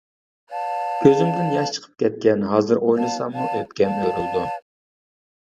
كۆزۈمدىن ياش چىقىپ كەتكەن. ھازىر ئويلىساممۇ ئۆپكەم ئۆرۈلىدۇ.